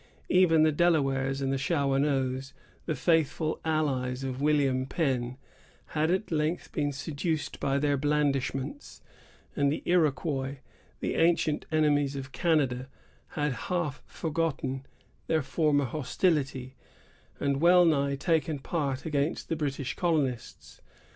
Even the Delawares and Shawanoes, the faithful allies of William Penn, had at length been seduced by their blandishments; and the Iroquois, the ancient enemies of Canada, had half forgotten their former hostility, and well nigh taken part against the British colonists.